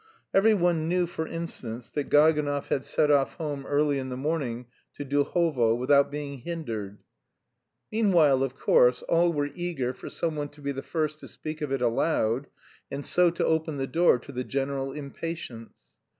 Every one knew, for instance, that Gaganov had set off home early in the morning to Duhovo, without being hindered. Meanwhile, of course, all were eager for someone to be the first to speak of it aloud, and so to open the door to the general impatience.